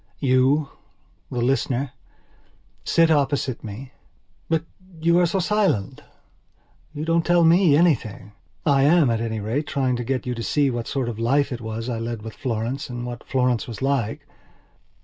You, the listener, sit opposite me. But you are so silent. You don't tell me anything. I am, at any rate, trying to get you to see what sort of life it was I led with Florence and what Florence was like.